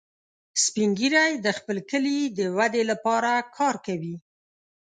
سپین ږیری د خپل کلي د ودې لپاره کار کوي